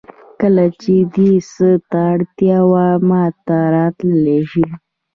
کله چې دې څه ته اړتیا وه ماته راتللی شې